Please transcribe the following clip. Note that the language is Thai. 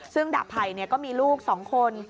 ซึ่งดับไผ่เนี่ยก็มีลูกสองคน